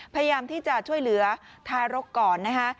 พยายามที่จะช่วยเหลือทารกก่อนนะคะ